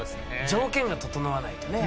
条件が整わないとね。